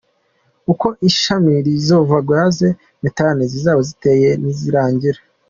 Uko imashini zivoma gaz methane zizaba ziteye nizirangira.